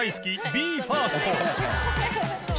ＢＥ：ＦＩＲＳＴ））